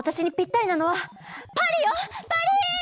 パリ！